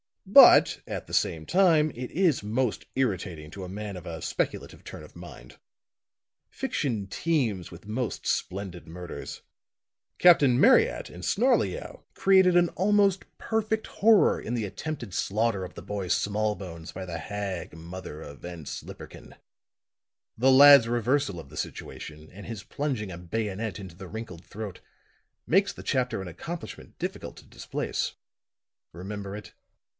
But, at the same time, it is most irritating to a man of a speculative turn of mind. Fiction teems with most splendid murders. Captain Marryat, in Snarleyow, created an almost perfect horror in the attempted slaughter of the boy Smallbones by the hag mother of Vanslyperken; the lad's reversal of the situation and his plunging a bayonet into the wrinkled throat, makes the chapter an accomplishment difficult to displace. Remember it?"